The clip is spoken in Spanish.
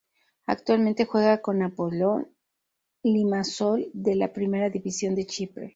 Actualmente juega en Apollon Limassol de la Primera División de Chipre.